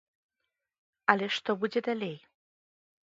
Але што будзе далей?